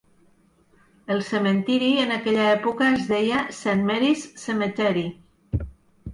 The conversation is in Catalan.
El cementiri en aquella època es deia Saint Mary's Cemetery.